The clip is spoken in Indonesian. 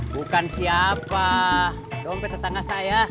bukan siapa dompet tetangga saya